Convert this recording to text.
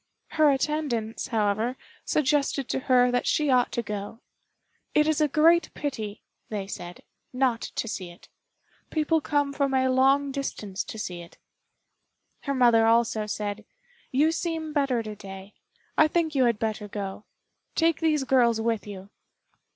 Her attendants, however, suggested to her that she ought to go. "It is a great pity," they said, "not to see it; people come from a long distance to see it." Her mother also said, "You seem better to day. I think you had better go. Take these girls with you."